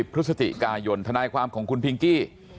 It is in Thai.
พฤศจิกายนทนายความของคุณพิงกี้